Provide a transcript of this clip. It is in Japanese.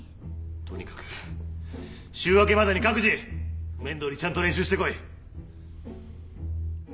とにかく週明けまでに各自譜面どおりちゃんと練習してこい。